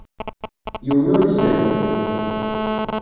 Yiwen ur t-id-rennuɣ.